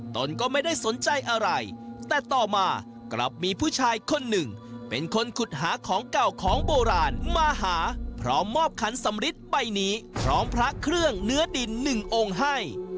ตนก็ไม่ได้สนใจอะไรแต่ต่อมากลับมีผู้ชายคนหนึ่งเป็นคนขุดหาของเก่าของโบราณมาหาพร้อมมอบขันสำริดใบนี้พร้อมพระเครื่องเนื้อดินหนึ่งองค์ให้